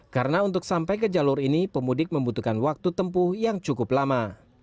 karena untuk sampai ke jalur ini pemudik membutuhkan waktu tempuh yang cukup lama